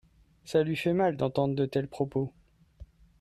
Ça lui fait mal d'entendre de tels propos.